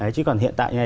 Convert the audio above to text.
chứ còn hiện tại